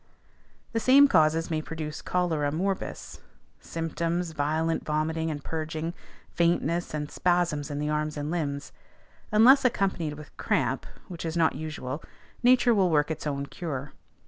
The same causes may produce cholera morbus; symptoms, violent vomiting and purging, faintness, and spasms in the arms and limbs. Unless accompanied with cramp (which is not usual), nature will work its own cure.